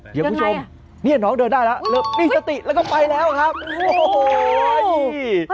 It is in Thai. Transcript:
เดี๋ยวคุณผู้ชมเนี่ยน้องเดินได้แล้วนี่สติแล้วก็ไปแล้วครับโอ้โห